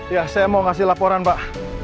ya saya mau ngasih laporan pak